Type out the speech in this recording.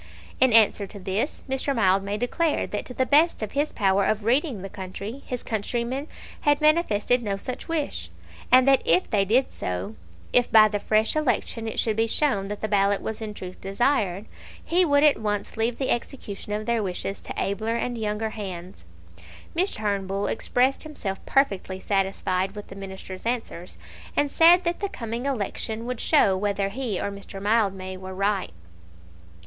In answer to this, Mr. Mildmay declared that to the best of his power of reading the country, his countrymen had manifested no such wish; and that if they did so, if by the fresh election it should be shown that the ballot was in truth desired, he would at once leave the execution of their wishes to abler and younger hands. Mr. Turnbull expressed himself perfectly satisfied with the Minister's answers, and said that the coming election would show whether he or Mr. Mildmay were right.